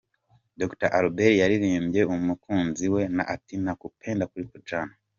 Dr Albert yaririmbiye umukunzi we ati "Nitakupenda kuliko jana".